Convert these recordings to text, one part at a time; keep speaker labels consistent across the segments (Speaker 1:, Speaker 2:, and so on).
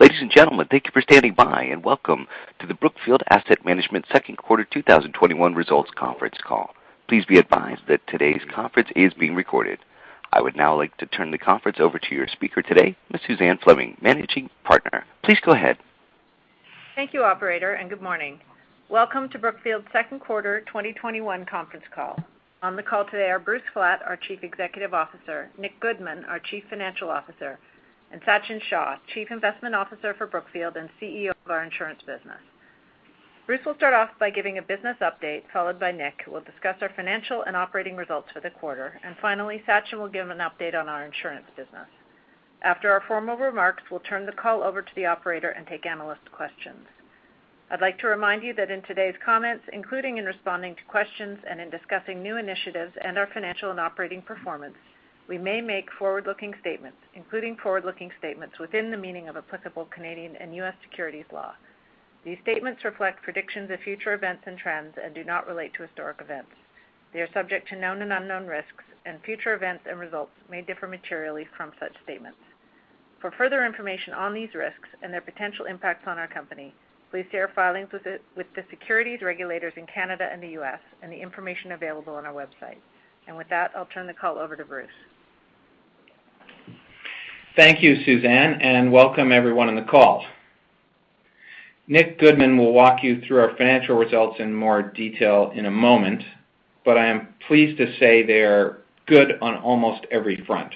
Speaker 1: Ladies and gentlemen, thank you for standing by, and welcome to the Brookfield Asset Management Second Quarter 2021 results conference call. Please be advised that today's conference is being recorded. I would now like to turn the conference over to your speaker today, Ms. Suzanne Fleming, Managing Partner. Please go ahead.
Speaker 2: Thank you, operator, and good morning. Welcome to Brookfield's second quarter 2021 conference call. On the call today are Bruce Flatt, our Chief Executive Officer, Nick Goodman, our Chief Financial Officer, and Sachin Shah, Chief Investment Officer for Brookfield and CEO of our Insurance business. Bruce will start off by giving a business update, followed by Nick, who will discuss our financial and operating results for the quarter. Finally, Sachin will give an update on our Insurance business. After our formal remarks, we'll turn the call over to the operator and take analyst questions. I'd like to remind you that in today's comments, including in responding to questions and in discussing new initiatives and our financial and operating performance, we may make forward-looking statements, including forward-looking statements within the meaning of applicable Canadian and U.S. securities law. These statements reflect predictions of future events and trends and do not relate to historic events. They are subject to known and unknown risks, and future events and results may differ materially from such statements. For further information on these risks and their potential impacts on our company, please see our filings with the securities regulators in Canada and the U.S. and the information available on our website. With that, I'll turn the call over to Bruce.
Speaker 3: Thank you, Suzanne, and welcome everyone on the call. Nick Goodman will walk you through our financial results in more detail in a moment. I am pleased to say they are good on almost every front.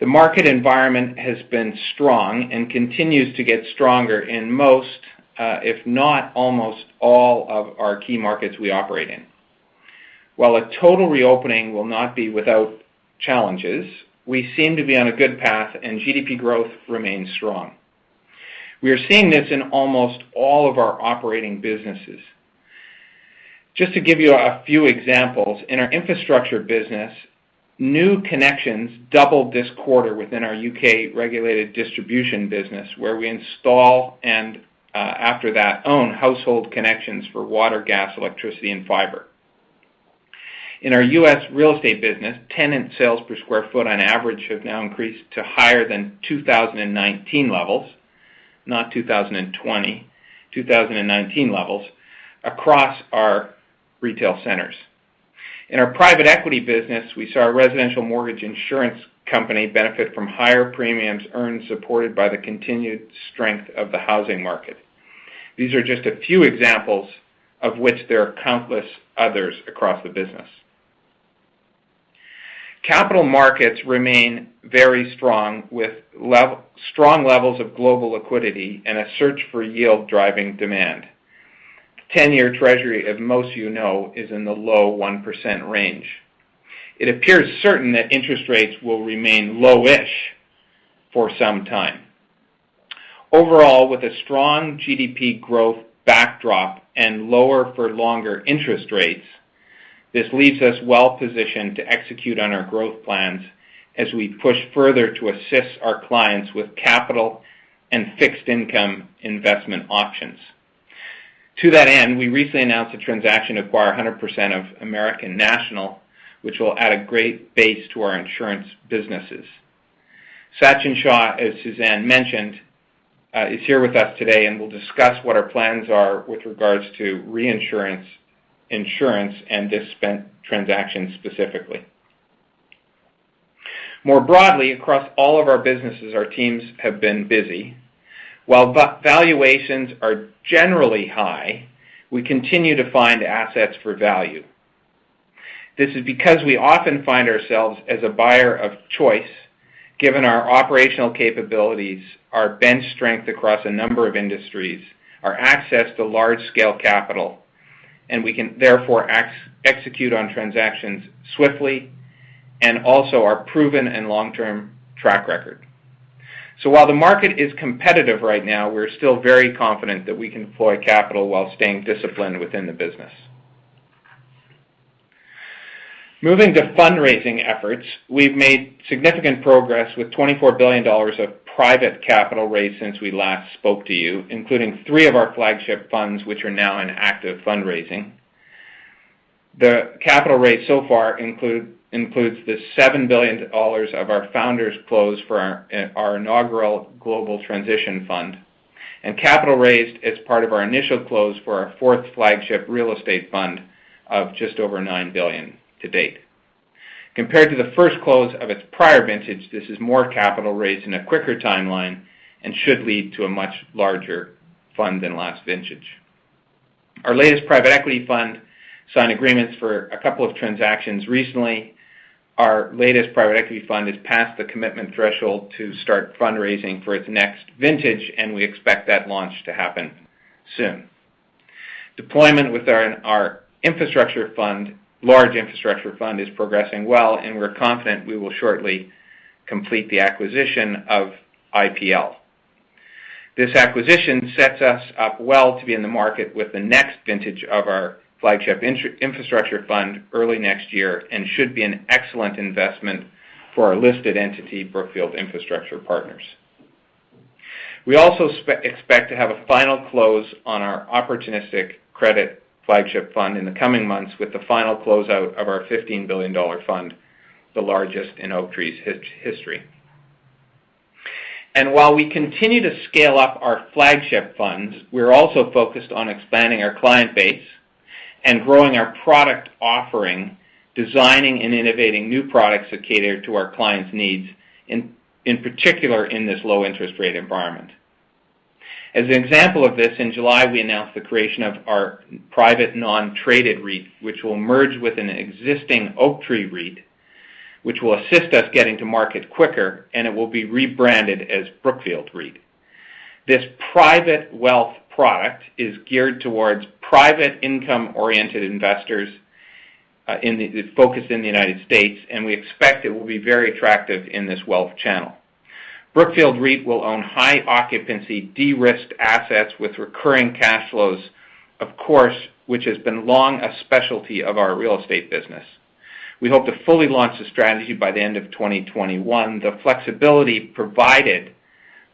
Speaker 3: The market environment has been strong and continues to get stronger in most, if not almost all of our key markets we operate in. While a total reopening will not be without challenges, we seem to be on a good path, and GDP growth remains strong. We are seeing this in almost all of our operating businesses. Just to give you a few examples, in our Infrastructure business, new connections doubled this quarter within our U.K. Regulated Distribution business, where we install and after that own household connections for water, gas, electricity, and fiber. In our U.S. Real Estate business, tenant sales per square foot on average have now increased to higher than 2019 levels, not 2020, 2019 levels across our retail centers. In our Private Equity business, we saw our residential mortgage insurance company benefit from higher premiums earned, supported by the continued strength of the housing market. These are just a few examples of which there are countless others across the business. Capital markets remain very strong with strong levels of global liquidity and a search for yield-driving demand. 10-year treasury, as most of you know, is in the low 1% range. It appears certain that interest rates will remain low-ish for some time. Overall, with a strong GDP growth backdrop and lower for longer interest rates, this leaves us well positioned to execute on our growth plans as we push further to assist our clients with capital and fixed income investment options. To that end, we recently announced a transaction to acquire 100% of American National, which will add a great base to our Insurance businesses. Sachin Shah, as Suzanne mentioned, is here with us today and will discuss what our plans are with regards to reinsurance, insurance, and this spin transaction specifically. More broadly, across all of our businesses, our teams have been busy. While valuations are generally high, we continue to find assets for value. This is because we often find ourselves as a buyer of choice given our operational capabilities, our bench strength across a number of industries, our access to large-scale capital, and we can therefore execute on transactions swiftly, and also our proven and long-term track record. While the market is competitive right now, we're still very confident that we can deploy capital while staying disciplined within the business. Moving to fundraising efforts, we've made significant progress with $24 billion of private capital raised since we last spoke to you, including three of our flagship funds, which are now in active fundraising. The capital raised so far includes the $7 billion of our founders' close for our inaugural Global Transition Fund, and capital raised as part of our initial close for our fourth flagship real estate fund of just over $9 billion to date. Compared to the first close of its prior vintage, this is more capital raised in a quicker timeline and should lead to a much larger fund than last vintage. Our latest private equity fund signed agreements for two transactions recently. Our latest private equity fund is past the commitment threshold to start fundraising for its next vintage, and we expect that launch to happen soon. Deployment with our infrastructure fund, large infrastructure fund, is progressing well, and we're confident we will shortly complete the acquisition of IPL. This acquisition sets us up well to be in the market with the next vintage of our flagship infrastructure fund early next year and should be an excellent investment for our listed entity, Brookfield Infrastructure Partners. We also expect to have a final close on our opportunistic credit flagship fund in the coming months with the final closeout of our $15 billion fund, the largest in Oaktree's history. While we continue to scale up our flagship funds, we are also focused on expanding our client base and growing our product offering, designing and innovating new products that cater to our clients' needs, in particular, in this low interest rate environment. As an example of this, in July, we announced the creation of our private non-traded REIT, which will merge with an existing Oaktree REIT, which will assist us getting to market quicker, and it will be rebranded as Brookfield REIT. This private wealth product is geared towards private income-oriented investors focused in the United States. We expect it will be very attractive in this wealth channel. Brookfield REIT will own high occupancy, de-risked assets with recurring cash flows, of course, which has been long a specialty of our Real Estate business. We hope to fully launch the strategy by the end of 2021. The flexibility provided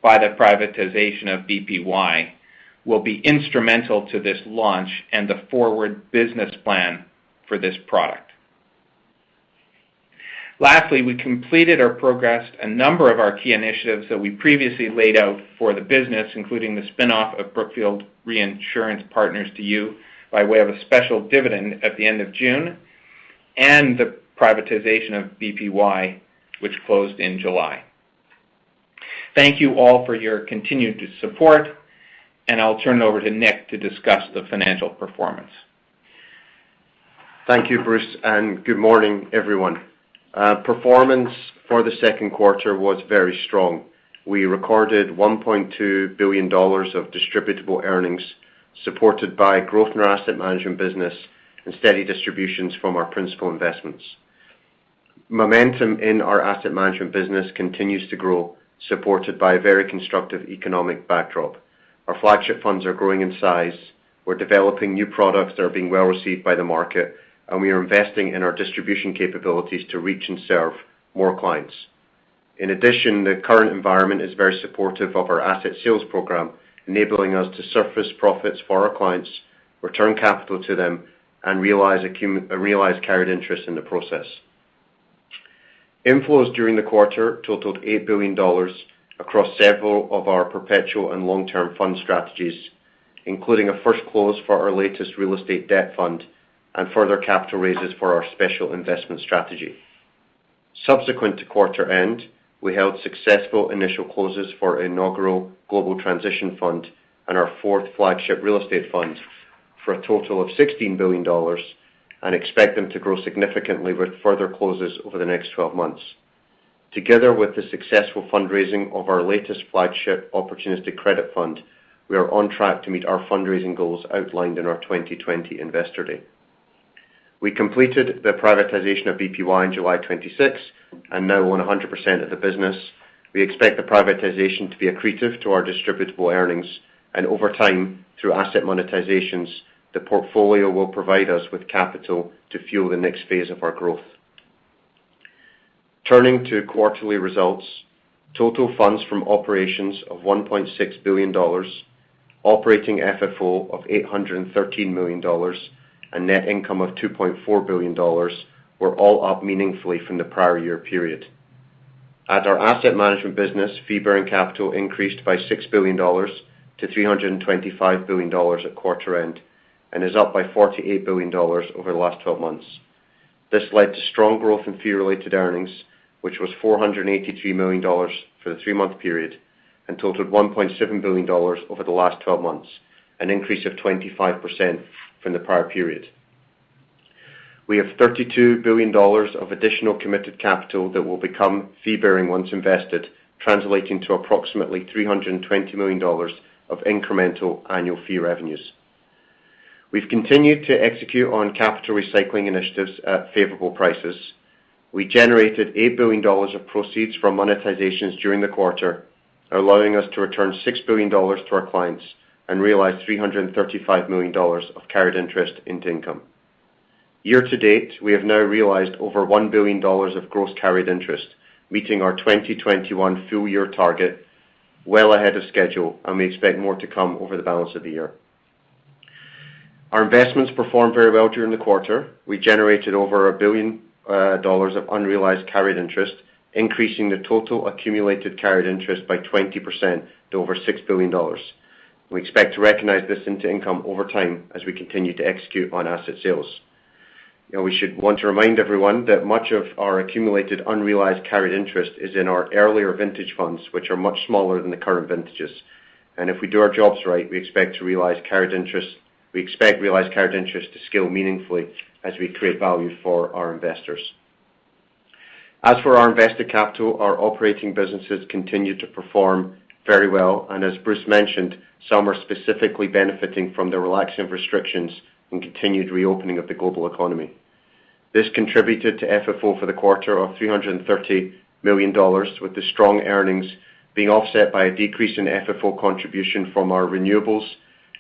Speaker 3: by the privatization of BPY will be instrumental to this launch and the forward business plan for this product. Lastly, we completed or progressed a number of our key initiatives that we previously laid out for the business, including the spinoff of Brookfield Reinsurance Partners to you by way of a special dividend at the end of June, and the privatization of BPY, which closed in July. Thank you all for your continued support, and I'll turn it over to Nick to discuss the financial performance.
Speaker 4: Thank you, Bruce, and good morning, everyone. Performance for the second quarter was very strong. We recorded $1.2 billion of distributable earnings, supported by growth in our Asset Management business and steady distributions from our principal investments. Momentum in our Asset Management business continues to grow, supported by a very constructive economic backdrop. Our flagship funds are growing in size. We're developing new products that are being well received by the market, and we are investing in our distribution capabilities to reach and serve more clients. In addition, the current environment is very supportive of our asset sales program, enabling us to surface profits for our clients, return capital to them, and realize carried interest in the process. Inflows during the quarter totaled $8 billion across several of our perpetual and long-term fund strategies, including a first close for our latest real estate debt fund and further capital raises for our special investment strategy. Subsequent to quarter end, we held successful initial closes for inaugural Global Transition Fund and our fourth flagship real estate fund for a total of $16 billion and expect them to grow significantly with further closes over the next 12 months. Together with the successful fundraising of our latest flagship opportunistic credit fund, we are on track to meet our fundraising goals outlined in our 2020 Investor Day. We completed the privatization of BPY on July 26th and now own 100% of the business. We expect the privatization to be accretive to our distributable earnings, and over time, through asset monetizations, the portfolio will provide us with capital to fuel the next phase of our growth. Turning to quarterly results, total funds from operations of $1.6 billion, operating FFO of $813 million, and net income of $2.4 billion were all up meaningfully from the prior year period. At our Asset Management business, fee-bearing capital increased by $6 billion to $325 billion at quarter end and is up by $48 billion over the last 12 months. This led to strong growth in fee-related earnings, which was $483 million for the three-month period and totaled $1.7 billion over the last 12 months, an increase of 25% from the prior period. We have $32 billion of additional committed capital that will become fee-bearing once invested, translating to approximately $320 million of incremental annual fee revenues. We've continued to execute on capital recycling initiatives at favorable prices. We generated $8 billion of proceeds from monetizations during the quarter, allowing us to return $6 billion to our clients and realize $335 million of carried interest into income. Year-to-date, we have now realized over $1 billion of gross carried interest, meeting our 2021 full-year target well ahead of schedule, and we expect more to come over the balance of the year. Our investments performed very well during the quarter. We generated over $1 billion of unrealized carried interest, increasing the total accumulated carried interest by 20% to over $6 billion. We expect to recognize this into income over time as we continue to execute on asset sales. We want to remind everyone that much of our accumulated unrealized carried interest is in our earlier vintage funds, which are much smaller than the current vintages. If we do our jobs right, we expect realized carried interest to scale meaningfully as we create value for our investors. As for our invested capital, our operating businesses continue to perform very well, and as Bruce mentioned, some are specifically benefiting from the relaxing of restrictions and continued reopening of the global economy. This contributed to FFO for the quarter of $330 million, with the strong earnings being offset by a decrease in FFO contribution from our Renewables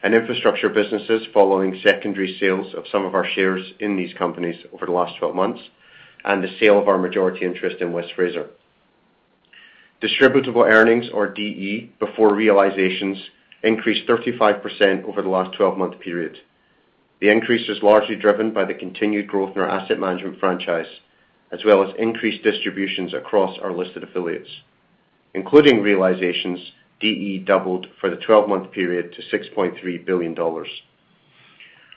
Speaker 4: and Infrastructure businesses following secondary sales of some of our shares in these companies over the last 12 months. The sale of our majority interest in West Fraser. Distributable earnings or DE before realizations increased 35% over the last 12-month period. The increase was largely driven by the continued growth in our asset management franchise, as well as increased distributions across our listed affiliates. Including realizations, DE doubled for the 12-month period to $6.3 billion.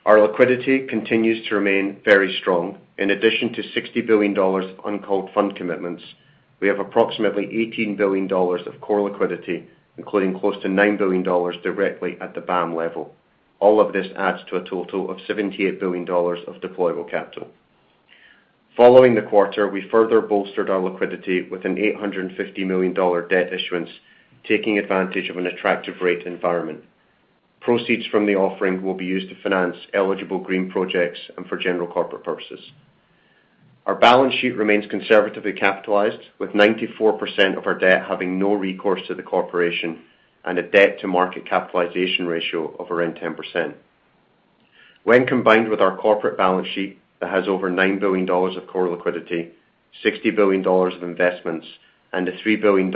Speaker 4: Our liquidity continues to remain very strong. In addition to $60 billion of uncalled fund commitments, we have approximately $18 billion of core liquidity, including close to $9 billion directly at the BAM level. All of this adds to a total of $78 billion of deployable capital. Following the quarter, we further bolstered our liquidity with an $850 million debt issuance, taking advantage of an attractive rate environment. Proceeds from the offering will be used to finance eligible green projects and for general corporate purposes. Our balance sheet remains conservatively capitalized, with 94% of our debt having no recourse to the corporation, and a debt-to-market capitalization ratio of around 10%. When combined with our corporate balance sheet that has over $9 billion of core liquidity, $60 billion of investments, and the $3 billion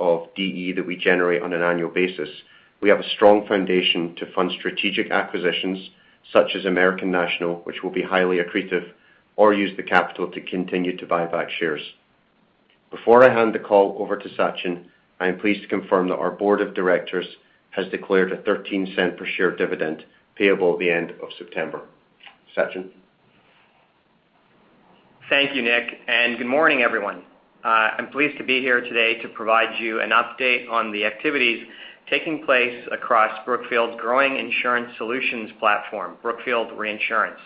Speaker 4: of DE that we generate on an annual basis, we have a strong foundation to fund strategic acquisitions such as American National, which will be highly accretive or use the capital to continue to buy back shares. Before I hand the call over to Sachin, I am pleased to confirm that our Board of Directors has declared a $0.13 per share dividend payable at the end of September. Sachin.
Speaker 5: Thank you, Nick. Good morning, everyone. I'm pleased to be here today to provide you an update on the activities taking place across Brookfield's growing insurance solutions platform, Brookfield Reinsurance.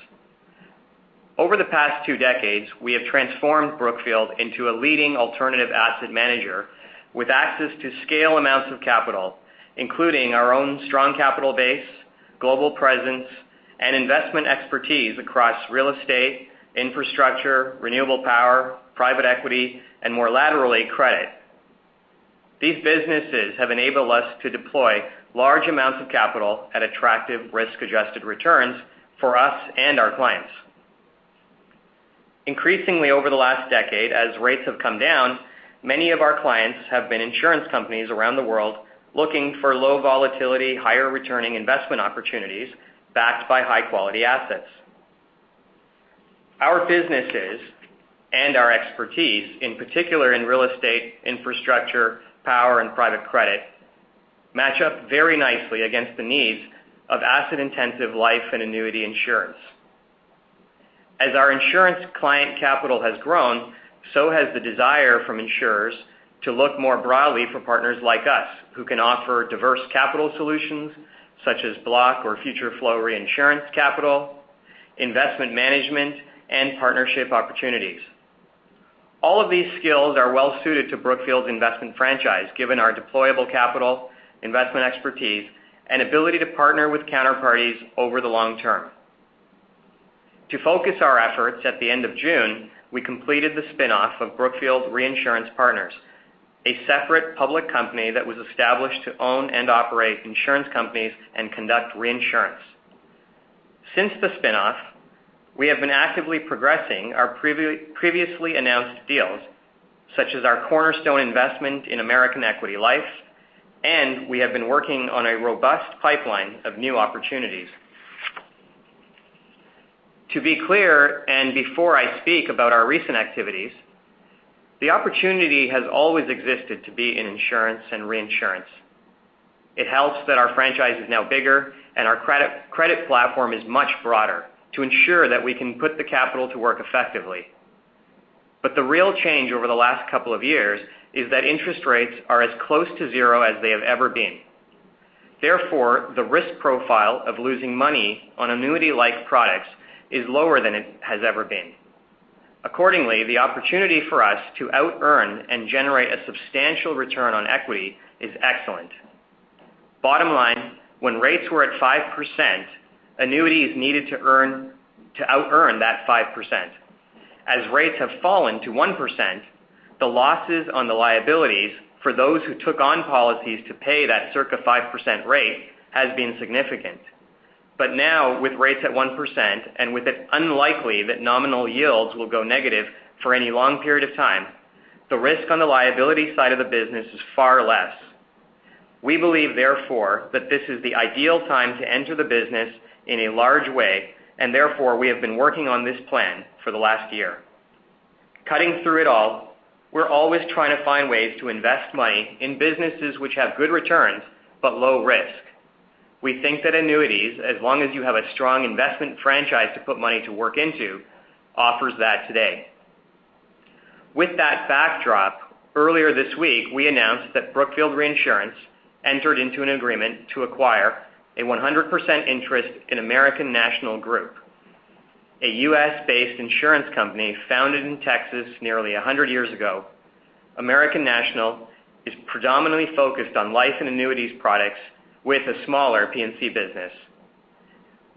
Speaker 5: Over the past two decades, we have transformed Brookfield into a leading alternative asset manager with access to scale amounts of capital, including our own strong capital base, global presence, and investment expertise across Real Estate, Infrastructure, Renewable Power, Private Equity, and more laterally, credit. These businesses have enabled us to deploy large amounts of capital at attractive risk-adjusted returns for us and our clients. Increasingly over the last decade, as rates have come down, many of our clients have been insurance companies around the world looking for low volatility, higher returning investment opportunities backed by high-quality assets. Our businesses and our expertise, in particular in Real Estate, Infrastructure, Power, and Private credit, match up very nicely against the needs of asset-intensive life and annuity insurance. As our insurance client capital has grown, so has the desire from insurers to look more broadly for partners like us who can offer diverse capital solutions such as block or future flow reinsurance capital, investment management, and partnership opportunities. All of these skills are well suited to Brookfield's investment franchise, given our deployable capital, investment expertise, and ability to partner with counterparties over the long term. To focus our efforts at the end of June, we completed the spinoff of Brookfield Reinsurance Partners, a separate public company that was established to own and operate insurance companies and conduct reinsurance. Since the spinoff, we have been actively progressing our previously announced deals, such as our cornerstone investment in American Equity Life, and we have been working on a robust pipeline of new opportunities. To be clear, and before I speak about our recent activities, the opportunity has always existed to be in insurance and reinsurance. It helps that our franchise is now bigger and our credit platform is much broader to ensure that we can put the capital to work effectively. The real change over the last couple of years is that interest rates are as close to zero as they have ever been. Therefore, the risk profile of losing money on annuity-like products is lower than it has ever been. Accordingly, the opportunity for us to outearn and generate a substantial return on equity is excellent. Bottom line, when rates were at 5%, annuities needed to outearn that 5%. As rates have fallen to 1%, the losses on the liabilities for those who took on policies to pay that circa 5% rate has been significant. Now, with rates at 1% and with it unlikely that nominal yields will go negative for any long period of time, the risk on the liability side of the business is far less. We believe, therefore, that this is the ideal time to enter the business in a large way, and therefore, we have been working on this plan for the last year. Cutting through it all, we're always trying to find ways to invest money in businesses which have good returns but low risk. We think that annuities, as long as you have a strong investment franchise to put money to work into, offers that today. With that backdrop, earlier this week, we announced that Brookfield Reinsurance entered into an agreement to acquire a 100% interest in American National Group, a U.S.-based insurance company founded in Texas nearly 100 years ago. American National is predominantly focused on life and annuities products with a smaller P&C business.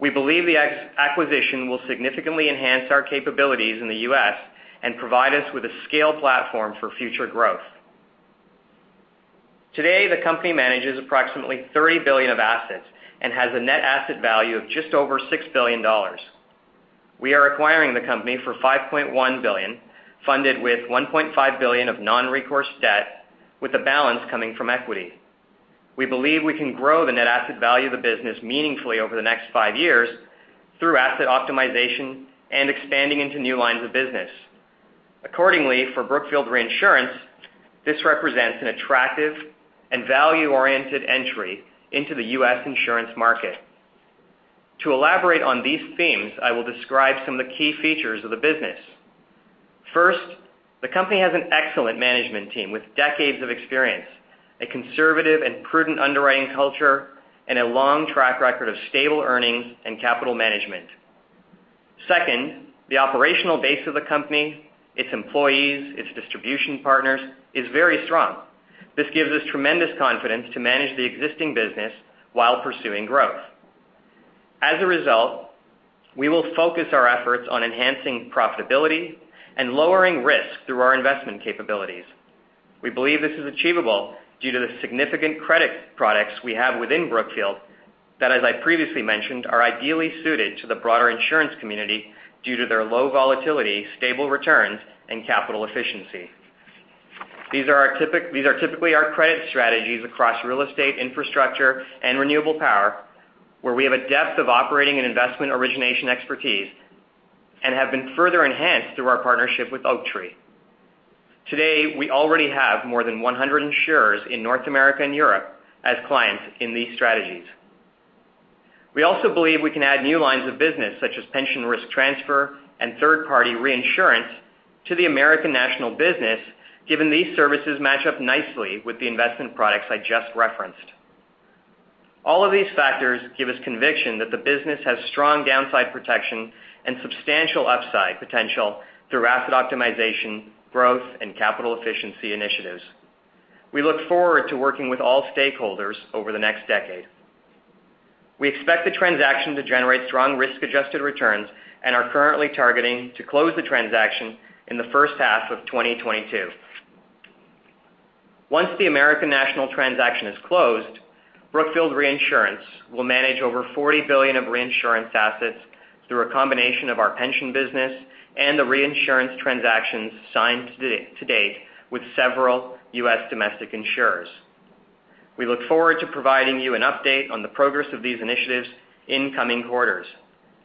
Speaker 5: We believe the acquisition will significantly enhance our capabilities in the U.S. and provide us with a scaled platform for future growth. Today, the company manages approximately $30 billion of assets and has a net asset value of just over $6 billion. We are acquiring the company for $5.1 billion, funded with $1.5 billion of non-recourse debt, with the balance coming from equity. We believe we can grow the net asset value of the business meaningfully over the next five years through asset optimization and expanding into new lines of business. Accordingly, for Brookfield Reinsurance, this represents an attractive and value-oriented entry into the U.S. insurance market. To elaborate on these themes, I will describe some of the key features of the business. First, the company has an excellent management team with decades of experience, a conservative and prudent underwriting culture, and a long track record of stable earnings and capital management. Second, the operational base of the company, its employees, its distribution partners, is very strong. This gives us tremendous confidence to manage the existing business while pursuing growth. As a result, we will focus our efforts on enhancing profitability and lowering risk through our investment capabilities. We believe this is achievable due to the significant credit products we have within Brookfield, that, as I previously mentioned, are ideally suited to the broader insurance community due to their low volatility, stable returns, and capital efficiency. These are typically our credit strategies across real estate, infrastructure, and renewable power, where we have a depth of operating and investment origination expertise and have been further enhanced through our partnership with Oaktree. Today, we already have more than 100 insurers in North America and Europe as clients in these strategies. We also believe we can add new lines of business, such as pension risk transfer and third-party reinsurance, to the American National business, given these services match up nicely with the investment products I just referenced. All of these factors give us conviction that the business has strong downside protection and substantial upside potential through asset optimization, growth, and capital efficiency initiatives. We look forward to working with all stakeholders over the next decade. We expect the transaction to generate strong risk-adjusted returns and are currently targeting to close the transaction in the first half of 2022. Once the American National transaction is closed, Brookfield Reinsurance will manage over $40 billion of reinsurance assets through a combination of our Pension business and the reinsurance transactions signed to date with several U.S. domestic insurers. We look forward to providing you an update on the progress of these initiatives in coming quarters.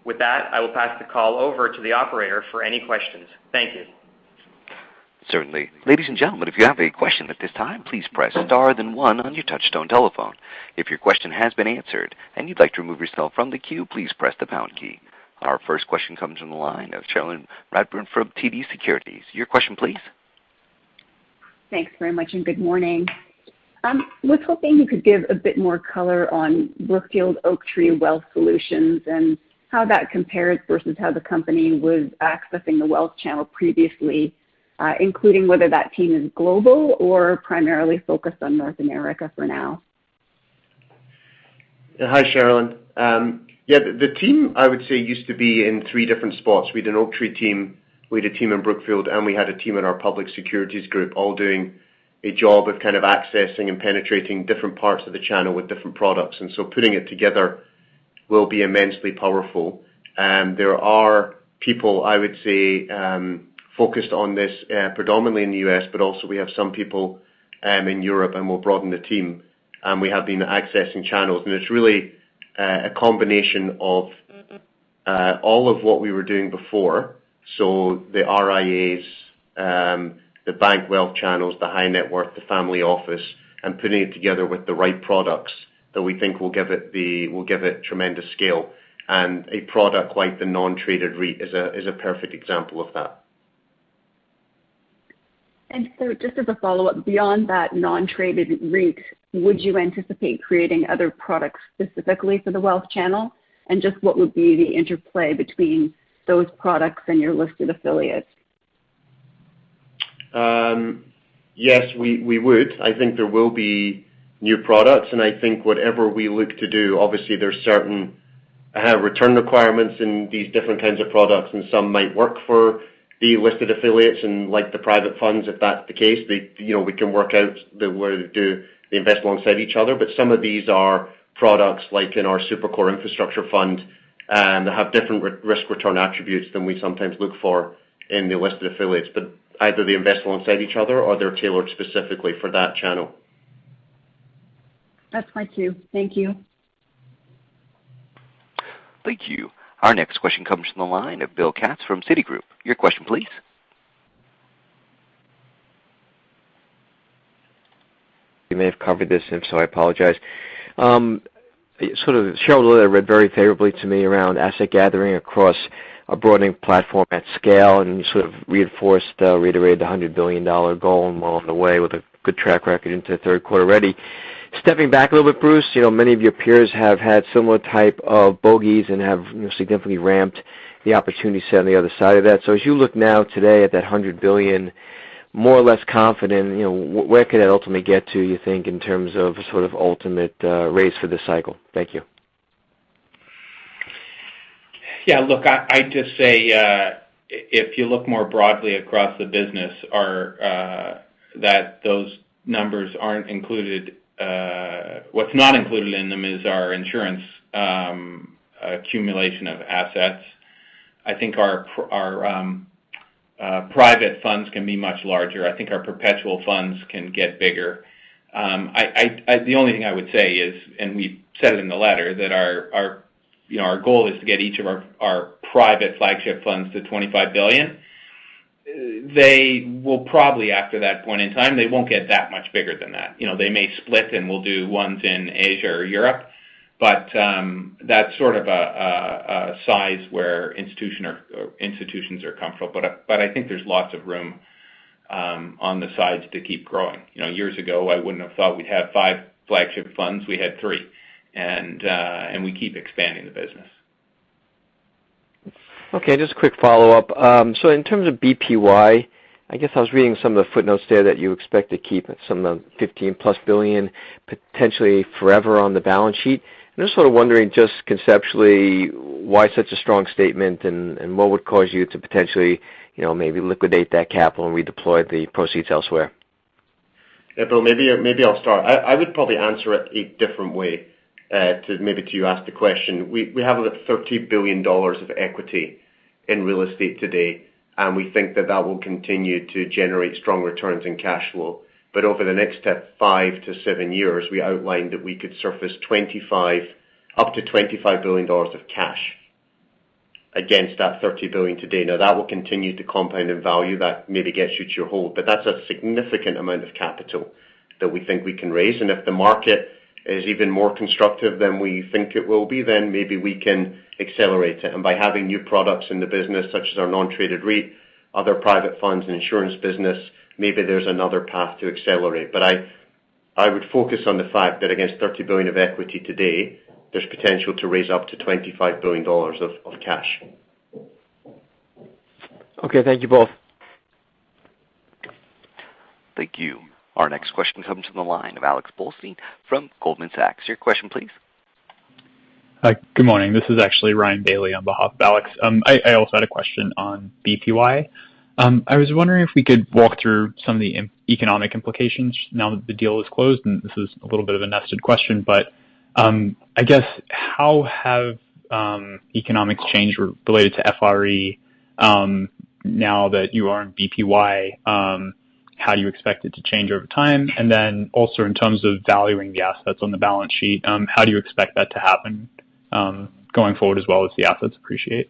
Speaker 5: With that, I will pass the call over to the operator for any questions. Thank you.
Speaker 1: Certainly. Ladies and gentlemen, if you have a question at this time, please press star then one on your touchtone telephone. If your question has been answered and you'd like to remove yourself from the queue, please press the pound key. Our first question comes from the line of Cherilyn Radbourne from TD Securities. Your question, please.
Speaker 6: Thanks very much, and good morning. I was hoping you could give a bit more color on Brookfield Oaktree Wealth Solutions and how that compares versus how the company was accessing the wealth channel previously, including whether that team is global or primarily focused on North America for now.
Speaker 4: Hi, Cherilyn. The team, I would say, used to be in three different spots. We had an Oaktree team, we had a team in Brookfield, and we had a team in our Public Securities Group, all doing a job of accessing and penetrating different parts of the channel with different products. Putting it together will be immensely powerful. There are people, I would say, focused on this predominantly in the U.S., but also we have some people in Europe, we'll broaden the team. We have been accessing channels, it's really a combination of all of what we were doing before. The RIAs, the bank wealth channels, the high net worth, the family office, and putting it together with the right products that we think will give it tremendous scale. A product like the non-traded REIT is a perfect example of that.
Speaker 6: Just as a follow-up, beyond that non-traded REIT, would you anticipate creating other products specifically for the wealth channel? What would be the interplay between those products and your listed affiliates?
Speaker 4: Yes, we would. I think there will be new products, and I think whatever we look to do, obviously there's certain return requirements in these different kinds of products, and some might work for the listed affiliates and the private funds. If that's the case, we can work out where they invest alongside each other. Some of these are products like in our Super-Core infrastructure fund that have different risk-return attributes than we sometimes look for in the listed affiliates. Either they invest alongside each other or they're tailored specifically for that channel.
Speaker 6: That's my cue. Thank you.
Speaker 1: Thank you. Our next question comes from the line of Bill Katz from Citigroup. Your question, please.
Speaker 7: You may have covered this, and if so, I apologize. Cherilyn, a little that read very favorably to me around asset gathering across a broadening platform at scale, and you sort of reinforced, reiterated the $100 billion goal along the way with a good track record into the third quarter already. Stepping back a little bit, Bruce, many of your peers have had similar type of bogeys and have significantly ramped the opportunity set on the other side of that. As you look now today at that $100 billion, more or less confident, where could that ultimately get to, you think, in terms of ultimate race for the cycle? Thank you.
Speaker 3: Yeah. Look, I'd just say, if you look more broadly across the business, those numbers aren't included. What's not included in them is our insurance accumulation of assets. I think our private funds can be much larger. I think our perpetual funds can get bigger. The only thing I would say is, and we said it in the letter, that our goal is to get each of our private flagship funds to $25 billion. Probably after that point in time, they won't get that much bigger than that. They may split, and we'll do ones in Asia or Europe, but that's sort of a size where institutions are comfortable. I think there's lots of room on the sides to keep growing. Years ago, I wouldn't have thought we'd have five flagship funds. We had three, and we keep expanding the business.
Speaker 7: Okay. Just a quick follow-up. In terms of BPY, I guess I was reading some of the footnotes there that you expect to keep some of the $15+ billion potentially forever on the balance sheet. I'm just sort of wondering just conceptually why such a strong statement, and what would cause you to potentially maybe liquidate that capital and redeploy the proceeds elsewhere?
Speaker 4: Bill, maybe I'll start. I would probably answer it a different way maybe to how you asked the question. We have $30 billion of equity in real estate today, and we think that that will continue to generate strong returns in cash flow. Over the next five to seven years, we outlined that we could surface up to $25 billion of cash against that $30 billion today. That will continue to compound in value. That maybe gets you to your hold. That's a significant amount of capital that we think we can raise, and if the market is even more constructive than we think it will be, then maybe we can accelerate it. By having new products in the business, such as our non-traded REIT, other private funds and insurance business, maybe there's another path to accelerate. I would focus on the fact that against $30 billion of equity today, there's potential to raise up to $25 billion of cash.
Speaker 7: Okay. Thank you both.
Speaker 1: Thank you. Our next question comes from the line of Alex Blostein from Goldman Sachs. Your question, please.
Speaker 8: Hi. Good morning. This is actually Ryan Bailey on behalf of Alex. I also had a question on BPY. I was wondering if we could walk through some of the economic implications now that the deal is closed, and this is a little bit of a nested question, but I guess how have economics changed related to FRE now that you own BPY? How do you expect it to change over time? Also in terms of valuing the assets on the balance sheet, how do you expect that to happen going forward as well as the assets appreciate?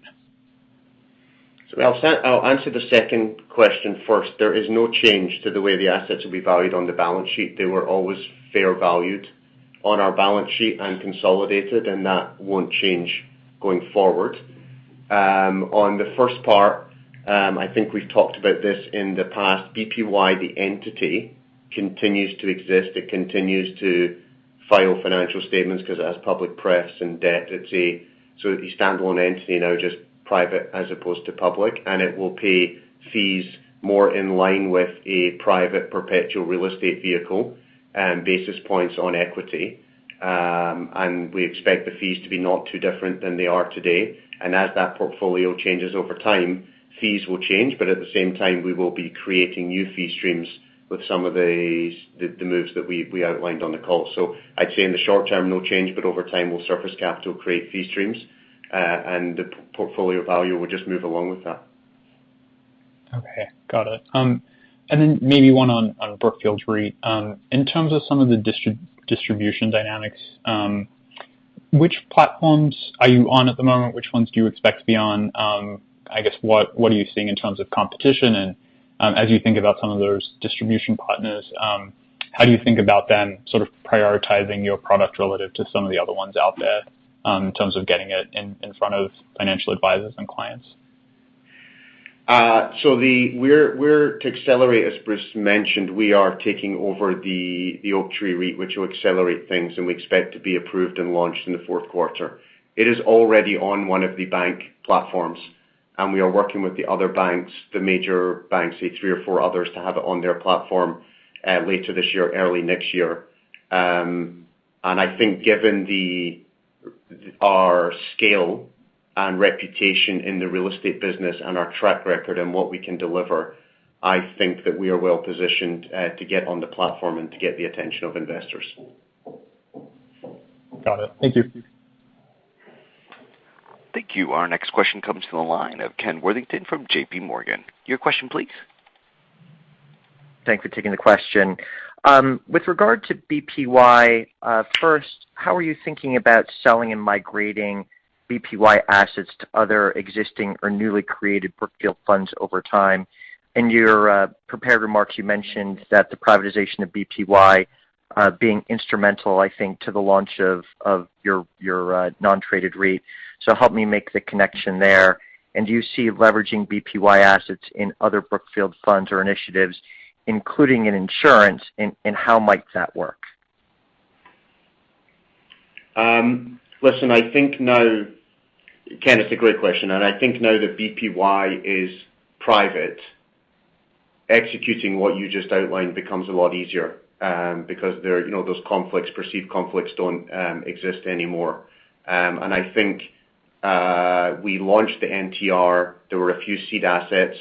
Speaker 4: I'll answer the second question first. There is no change to the way the assets will be valued on the balance sheet. They were always fair valued on our balance sheet and consolidated, and that won't change going forward. On the first part, I think we've talked about this in the past. BPY, the entity, continues to exist. It continues to file financial statements because it has public pref and debt. It's a standalone entity now, just private as opposed to public, and it will pay fees more in line with a private perpetual real estate vehicle and basis points on equity. We expect the fees to be not too different than they are today. As that portfolio changes over time, fees will change, but at the same time, we will be creating new fee streams with some of the moves that we outlined on the call. I'd say in the short term, no change, but over time, we'll surface capital, create fee streams, and the portfolio value will just move along with that.
Speaker 8: Okay. Got it. Maybe one on Brookfield REIT. In terms of some of the distribution dynamics, which platforms are you on at the moment? Which ones do you expect to be on? I guess, what are you seeing in terms of competition? As you think about some of those distribution partners, how do you think about them sort of prioritizing your product relative to some of the other ones out there in terms of getting it in front of financial advisors and clients?
Speaker 4: To accelerate, as Bruce mentioned, we are taking over the Oaktree REIT, which will accelerate things, and we expect to be approved and launched in the fourth quarter. It is already on one of the bank platforms, and we are working with the other banks, the major banks, say three or four others, to have it on their platform later this year or early next year. I think given our scale and reputation in the Real Estate business and our track record and what we can deliver, I think that we are well positioned to get on the platform and to get the attention of investors.
Speaker 8: Got it. Thank you.
Speaker 1: Thank you. Our next question comes from the line of Ken Worthington from JPMorgan. Your question, please.
Speaker 9: Thanks for taking the question. With regard to BPY, first, how are you thinking about selling and migrating BPY assets to other existing or newly created Brookfield funds over time? In your prepared remarks, you mentioned that the privatization of BPY being instrumental, I think, to the launch of your non-traded REIT. Help me make the connection there. Do you see leveraging BPY assets in other Brookfield funds or initiatives, including in insurance, and how might that work?
Speaker 4: Listen, Ken, it's a great question, and I think now that BPY is private, executing what you just outlined becomes a lot easier because those perceived conflicts don't exist anymore. I think we launched the NTR. There were a few seed assets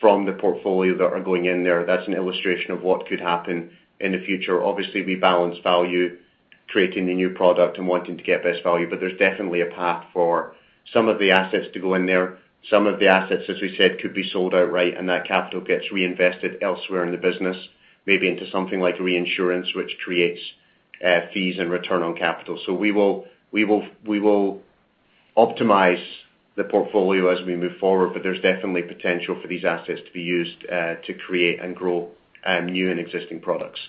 Speaker 4: from the portfolio that are going in there. That's an illustration of what could happen in the future. Obviously, we balance value, creating the new product, and wanting to get best value, but there's definitely a path for some of the assets to go in there. Some of the assets, as we said, could be sold outright, and that capital gets reinvested elsewhere in the business, maybe into something like reinsurance, which creates fees and return on capital. We will optimize the portfolio as we move forward, but there's definitely potential for these assets to be used to create and grow new and existing products.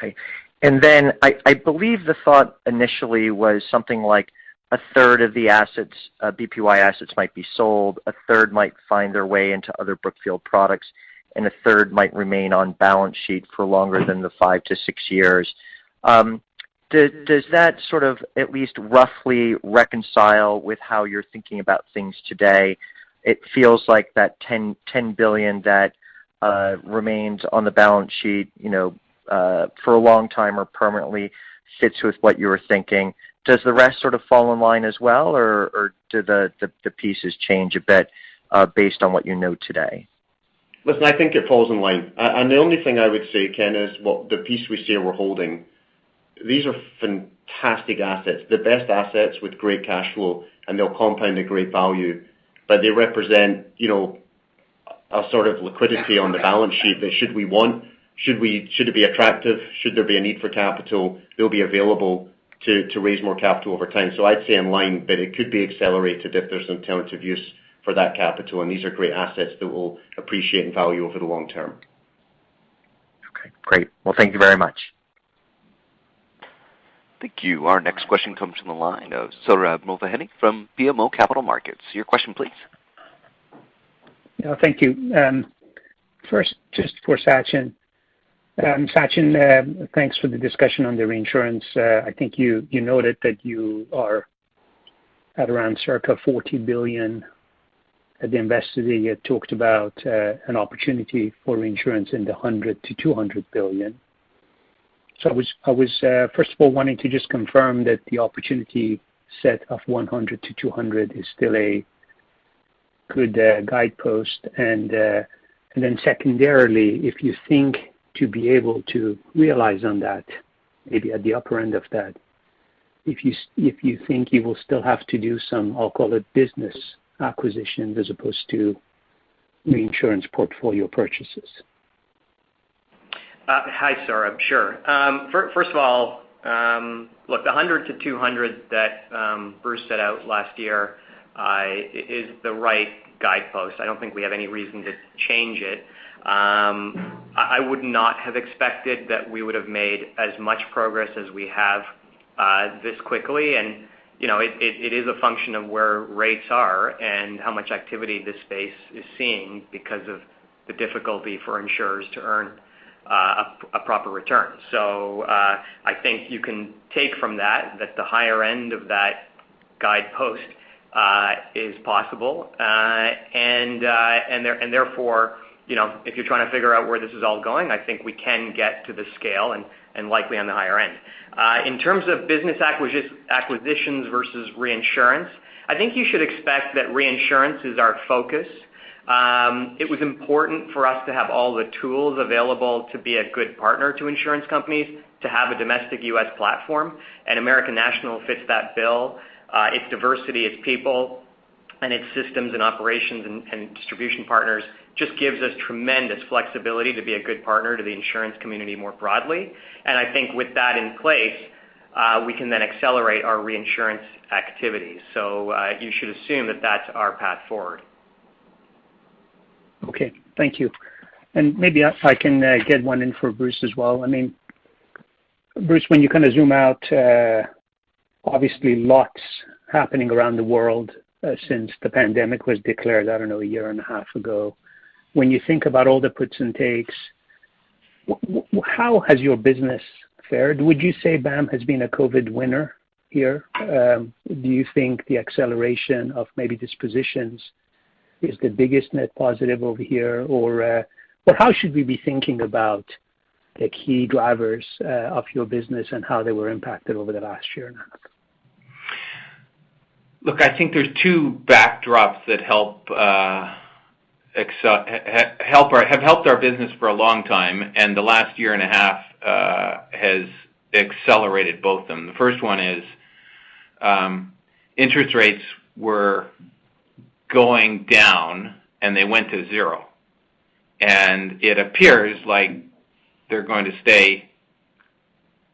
Speaker 9: Okay. Then I believe the thought initially was something like 1/3 of the BPY assets might be sold, 1/3 might find their way into other Brookfield products, and 1/3 might remain on balance sheet for longer than the five to six years. Does that sort of at least roughly reconcile with how you're thinking about things today? It feels like that $10 billion that remains on the balance sheet for a long time or permanently fits with what you were thinking. Does the rest sort of fall in line as well, or do the pieces change a bit based on what you know today?
Speaker 4: Listen, I think it falls in line. The only thing I would say, Ken, is, well, the piece we say we're holding, these are fantastic assets, the best assets with great cash flow, and they'll compound to great value. They represent a sort of liquidity on the balance sheet that should we want, should it be attractive, should there be a need for capital, it'll be available to raise more capital over time. I'd say in line, but it could be accelerated if there's an alternative use for that capital, and these are great assets that will appreciate in value over the long term.
Speaker 9: Okay, great. Thank you very much.
Speaker 1: Thank you. Our next question comes from the line of Sohrab Movahedi from BMO Capital Markets. Your question please.
Speaker 10: Thank you. First, just for Sachin. Sachin, thanks for the discussion on the reinsurance. I think you noted that you are at around circa $40 billion at the Investor Day. You had talked about an opportunity for reinsurance in the $100 billion-$200 billion. I was, first of all, wanting to just confirm that the opportunity set of $100 billion-$200 billion is still a good guidepost. Then secondarily, if you think to be able to realize on that, maybe at the upper end of that, if you think you will still have to do some, I'll call it business acquisitions as opposed to reinsurance portfolio purchases.
Speaker 5: Hi, Sohrab. Sure. First of all, look, the $100 million-$200 million that Bruce set out last year is the right guidepost. I don't think we have any reason to change it. I would not have expected that we would have made as much progress as we have this quickly. It is a function of where rates are and how much activity this space is seeing because of the difficulty for insurers to earn a proper return. I think you can take from that the higher end of that guidepost is possible. Therefore, if you're trying to figure out where this is all going, I think we can get to the scale and likely on the higher end. In terms of business acquisitions versus reinsurance, I think you should expect that reinsurance is our focus. It was important for us to have all the tools available to be a good partner to insurance companies, to have a domestic U.S. platform. American National fits that bill. Its diversity, its people, and its systems and operations and distribution partners just gives us tremendous flexibility to be a good partner to the insurance community more broadly. I think with that in place, we can then accelerate our reinsurance activities. You should assume that that's our path forward.
Speaker 10: Okay. Thank you. Maybe I can get one in for Bruce as well. I mean, Bruce, when you kind of zoom out, obviously lots happening around the world since the pandemic was declared, I don't know, a year and a half ago. When you think about all the puts and takes, how has your business fared? Would you say BAM has been a COVID winner here? Do you think the acceleration of maybe dispositions is the biggest net positive over here? How should we be thinking about the key drivers of your business and how they were impacted over the last year?
Speaker 3: Look, I think there's two backdrops that have helped our business for a long time, and the last year and a half has accelerated both of them. The first one is interest rates were going down, and they went to zero. It appears like they're going to stay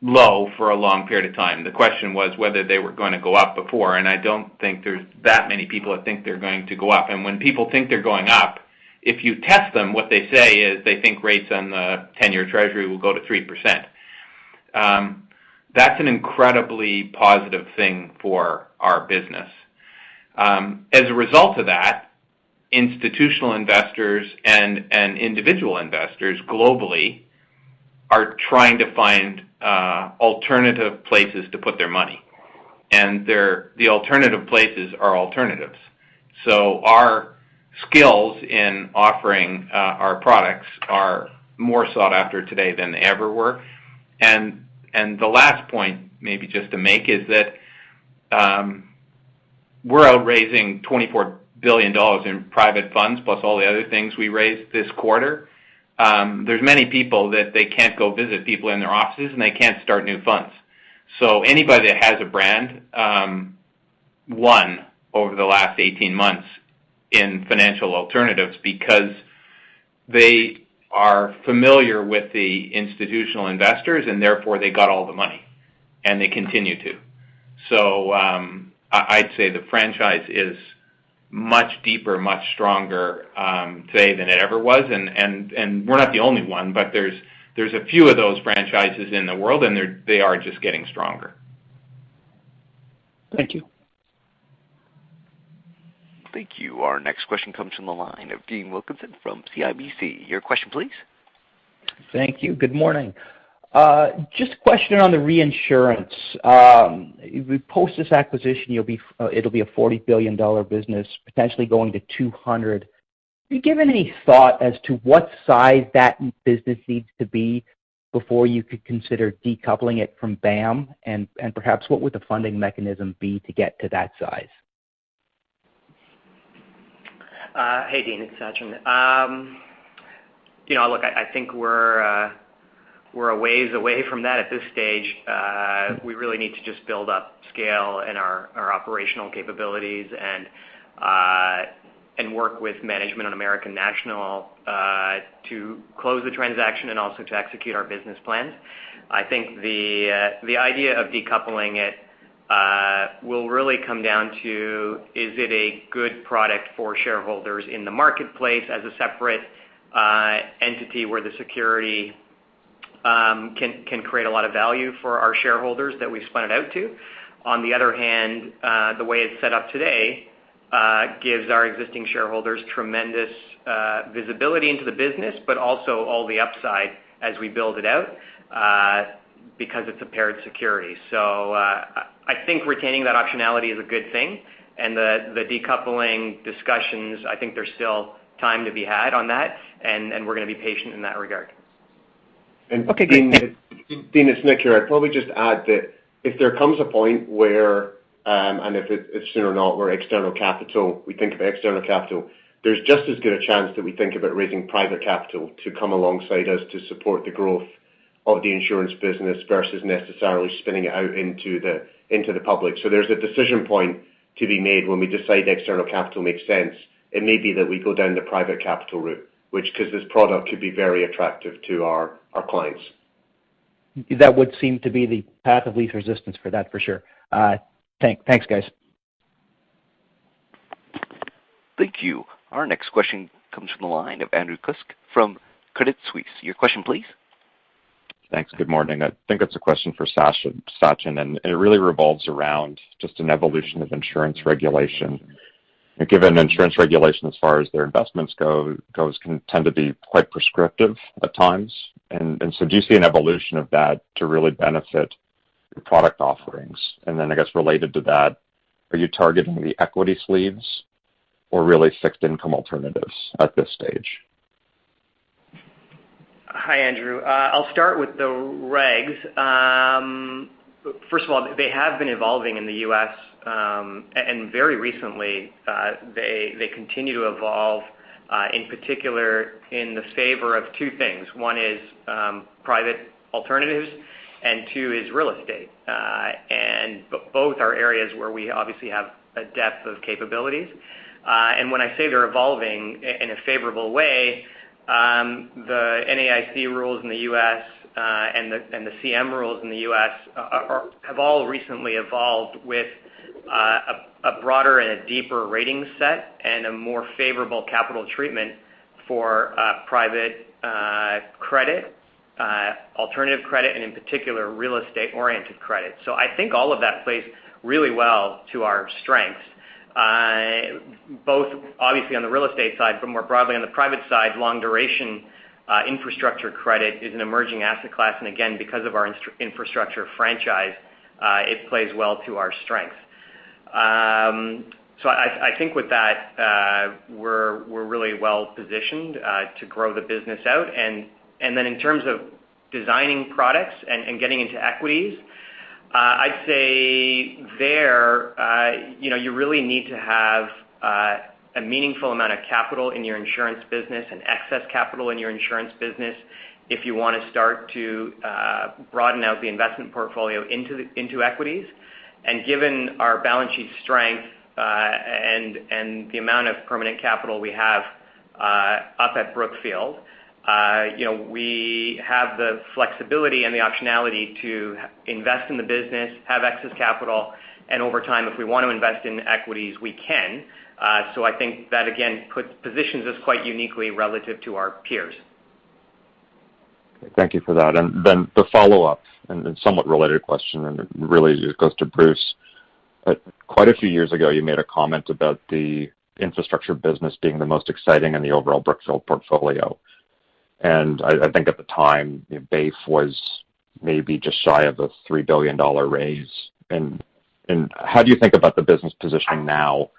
Speaker 3: low for a long period of time. The question was whether they were going to go up before, and I don't think there's that many people that think they're going to go up. When people think they're going up, if you test them, what they say is they think rates on the 10-year Treasury will go to 3%. That's an incredibly positive thing for our business. As a result of that, institutional investors and individual investors globally are trying to find alternative places to put their money. The alternative places are alternatives. Our skills in offering our products are more sought after today than they ever were. The last point maybe just to make is that we're out raising $24 billion in private funds, plus all the other things we raised this quarter. There's many people that they can't go visit people in their offices, and they can't start new funds. Anybody that has a brand, won over the last 18 months in financial alternatives because they are familiar with the institutional investors, and therefore they got all the money, and they continue to. I'd say the franchise is much deeper, much stronger today than it ever was, and we're not the only one, but there's a few of those franchises in the world, and they are just getting stronger.
Speaker 10: Thank you.
Speaker 1: Thank you. Our next question comes from the line of Dean Wilkinson from CIBC. Your question, please.
Speaker 11: Thank you. Good morning. Just a question on the reinsurance. Post this acquisition, it'll be a $40 billion business, potentially going to $200 billion. Have you given any thought as to what size that business needs to be before you could consider decoupling it from BAM? Perhaps what would the funding mechanism be to get to that size?
Speaker 5: Hey, Dean, it's Sachin. I think we're a ways away from that at this stage. We really need to just build up scale in our operational capabilities and work with management on American National to close the transaction and also to execute our business plans. I think the idea of decoupling it will really come down to, is it a good product for shareholders in the marketplace as a separate entity where the security can create a lot of value for our shareholders that we've spun it out to. On the other hand, the way it's set up today gives our existing shareholders tremendous visibility into the business, but also all the upside as we build it out because it's a paired security. I think retaining that optionality is a good thing, and the decoupling discussions, I think there's still time to be had on that, and we're going to be patient in that regard.
Speaker 11: Okay, great.
Speaker 4: Dean, it's Nick here. I'd probably just add that if there comes a point where, and if it's soon or not, where external capital, there's just as good a chance that we think about raising private capital to come alongside us to support the growth of the Insurance business versus necessarily spinning it out into the public. There's a decision point to be made when we decide external capital makes sense. It may be that we go down the private capital route, which, because this product could be very attractive to our clients.
Speaker 11: That would seem to be the path of least resistance for that, for sure. Thanks, guys.
Speaker 1: Thank you. Our next question comes from the line of Andrew Kuske from Credit Suisse. Your question, please.
Speaker 12: Thanks. Good morning. I think it's a question for Sachin, it really revolves around just an evolution of insurance regulation. Given insurance regulation as far as their investments goes can tend to be quite prescriptive at times. Do you see an evolution of that to really benefit your product offerings? I guess related to that, are you targeting the equity sleeves or really fixed income alternatives at this stage?
Speaker 5: Hi, Andrew. I'll start with the regs. First of all, they have been evolving in the U.S., and very recently, they continue to evolve, in particular, in the favor of two things. One is private alternatives and two is real estate. Both are areas where we obviously have a depth of capabilities. When I say they're evolving in a favorable way, the NAIC rules in the U.S., and the CM rules in the U.S. have all recently evolved with a broader and a deeper rating set and a more favorable capital treatment for private credit, alternative credit, and in particular, real estate-oriented credit. I think all of that plays really well to our strengths, both obviously on the real estate side, but more broadly on the private side. Long-duration infrastructure credit is an emerging asset class. Again, because of our infrastructure franchise, it plays well to our strengths. I think with that, we're really well-positioned to grow the business out. Then in terms of designing products and getting into equities, I'd say there you really need to have a meaningful amount of capital in your Insurance business and excess capital in your Insurance business if you want to start to broaden out the investment portfolio into equities. Given our balance sheet strength, and the amount of permanent capital we have up at Brookfield, we have the flexibility and the optionality to invest in the business, have excess capital, and over time, if we want to invest in equities, we can. I think that again positions us quite uniquely relative to our peers.
Speaker 12: Thank you for that. The follow-up and somewhat related question, and it really just goes to Bruce. A few years ago, you made a comment about the Infrastructure business being the most exciting in the overall Brookfield portfolio. I think at the time, BGTF was maybe just shy of a $3 billion raise. How do you think about the business position now?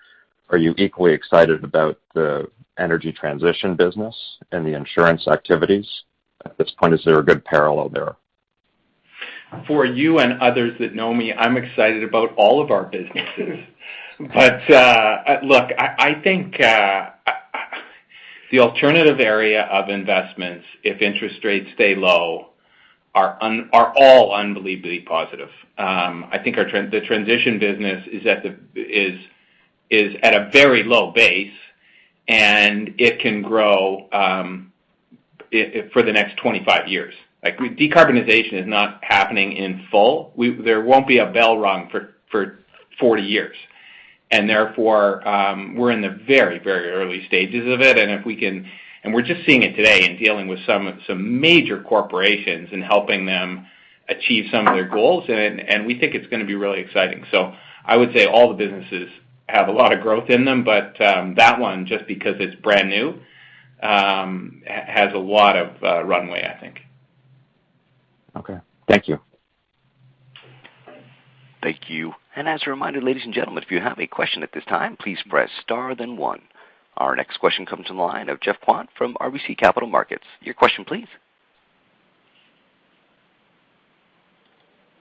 Speaker 12: Are you equally excited about the Energy Transition business and the insurance activities? At this point, is there a good parallel there?
Speaker 3: For you and others that know me, I'm excited about all of our businesses. Look, I think the alternative area of investments, if interest rates stay low, are all unbelievably positive. I think the Transition business is at a very low base, and it can grow for the next 25 years. Decarbonization is not happening in full. There won't be a bell rung for 40 years. Therefore, we're in the very, very early stages of it. We're just seeing it today and dealing with some major corporations and helping them achieve some of their goals, and we think it's going to be really exciting. I would say all the businesses have a lot of growth in them, but that one, just because it's brand new, has a lot of runway, I think.
Speaker 12: Okay. Thank you.
Speaker 1: Thank you. As a reminder, ladies and gentlemen, if you have a question at this time, please press star then one. Our next question comes on the line of Geoff Kwan from RBC Capital Markets. Your question, please.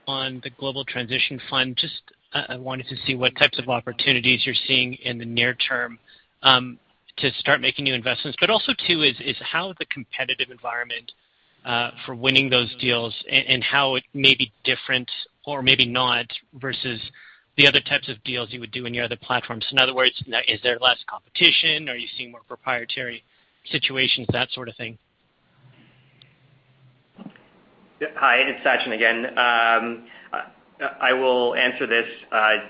Speaker 13: On the Global Transition Fund, just I wanted to see what types of opportunities you're seeing in the near term to start making new investments, also too is, how the competitive environment for winning those deals, and how it may be different or maybe not versus the other types of deals you would do in your other platforms. In other words, is there less competition? Are you seeing more proprietary situations, that sort of thing?
Speaker 5: Hi, it's Sachin again. I will answer this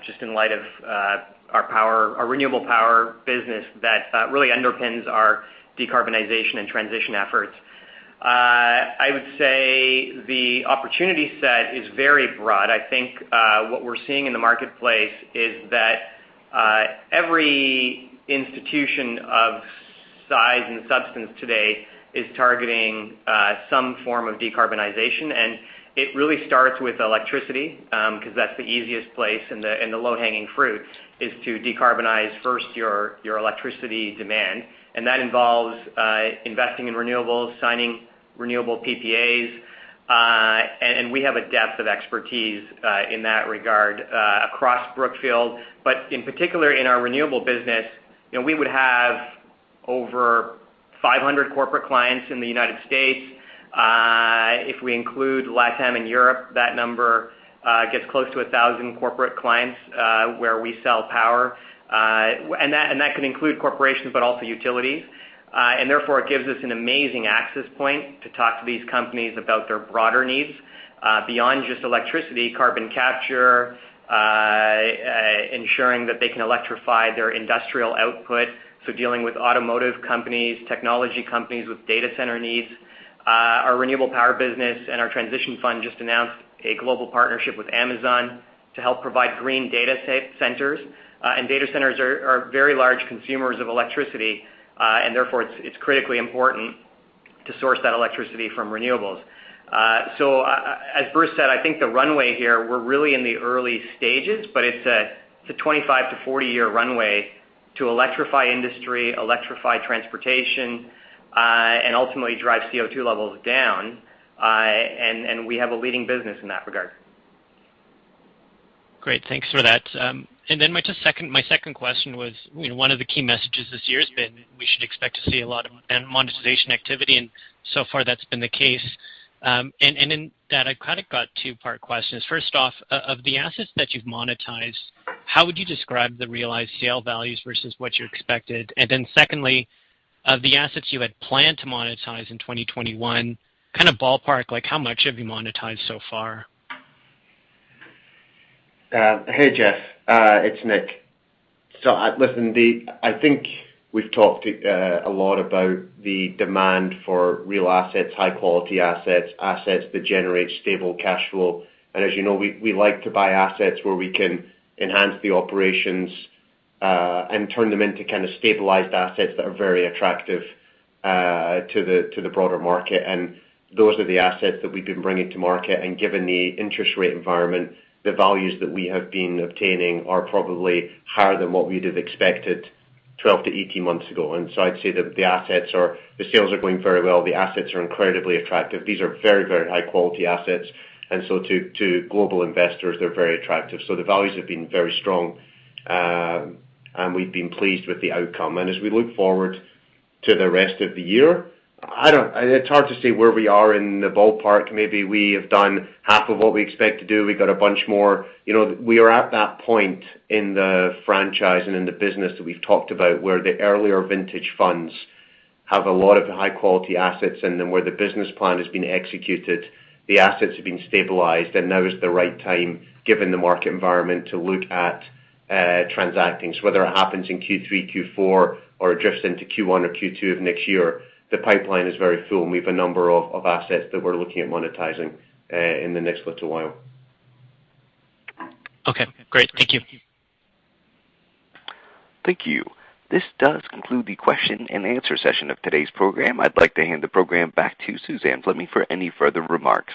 Speaker 5: just in light of our Renewable Power business that really underpins our decarbonization and transition efforts. I would say the opportunity set is very broad. I think what we're seeing in the marketplace is that every institution of size and substance today is targeting some form of decarbonization. It really starts with electricity because that's the easiest place, and the low-hanging fruit is to decarbonize first your electricity demand. That involves investing in renewables, signing renewable PPAs. We have a depth of expertise in that regard across Brookfield. In particular, in our Renewable business, we would have over 500 corporate clients in the United States. If we include LATAM and Europe, that number gets close to 1,000 corporate clients where we sell power. That can include corporations but also utilities. Therefore, it gives us an amazing access point to talk to these companies about their broader needs. Beyond just electricity, carbon capture, ensuring that they can electrify their industrial output. Dealing with automotive companies, technology companies with data center needs. Our Renewable Power business and our Global Transition Fund just announced a global partnership with Amazon to help provide green data centers. Data centers are very large consumers of electricity, and therefore it's critically important to source that electricity from renewables. As Bruce said, I think the runway here, we're really in the early stages, but it's a 25 to 40-year runway to electrify industry, electrify transportation, and ultimately drive CO2 levels down. We have a leading business in that regard.
Speaker 13: Great. Thanks for that. My second question was, one of the key messages this year has been we should expect to see a lot of monetization activity, and so far that's been the case. In that, I kind of got two-part questions. First off, of the assets that you've monetized, how would you describe the realized sale values versus what you expected? Secondly, of the assets you had planned to monetize in 2021, kind of ballpark how much have you monetized so far?
Speaker 4: Hey, Geoff. It's Nick. Listen, I think we've talked a lot about the demand for real assets, high-quality assets that generate stable cash flow. As you know, we like to buy assets where we can enhance the operations and turn them into kind of stabilized assets that are very attractive to the broader market. Those are the assets that we've been bringing to market. Given the interest rate environment, the values that we have been obtaining are probably higher than what we'd have expected 12-18 months ago. I'd say that the sales are going very well. The assets are incredibly attractive. These are very high-quality assets. To global investors, they're very attractive. The values have been very strong. We've been pleased with the outcome. As we look forward to the rest of the year, it's hard to say where we are in the ballpark. Maybe we have done half of what we expect to do. We've got a bunch more. We are at that point in the franchise and in the business that we've talked about, where the earlier vintage funds have a lot of high-quality assets in them, where the business plan has been executed, the assets have been stabilized. Now is the right time, given the market environment, to look at transacting. Whether it happens in Q3, Q4, or it drifts into Q1 or Q2 of next year, the pipeline is very full, and we have a number of assets that we're looking at monetizing in the next little while.
Speaker 13: Okay, great. Thank you.
Speaker 1: Thank you. This does conclude the question-and-answer session of today's program. I'd like to hand the program back to Suzanne Fleming for any further remarks.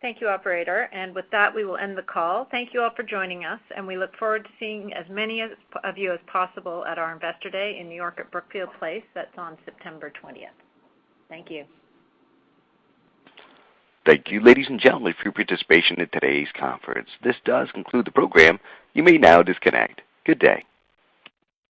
Speaker 2: Thank you, operator. With that, we will end the call. Thank you all for joining us, and we look forward to seeing as many of you as possible at our Investor Day in New York at Brookfield Place. That is on September 20th. Thank you.
Speaker 1: Thank you, ladies and gentlemen, for your participation in today's conference. This does conclude the program. You may now disconnect. Good day.